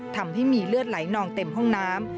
ทำให้มีเลือดไหลนองเต็มห้องน้ำ